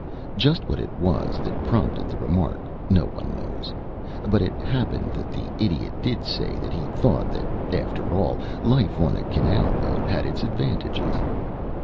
Just what it was that prompted the remark no one knows, but it happened that the Idiot did say that he thought that, after all, life on a canal boat had its advantages.